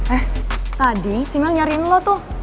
eh tadi si bilang nyariin lo tuh